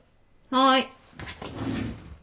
はい。